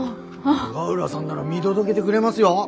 永浦さんなら見届げでくれますよ。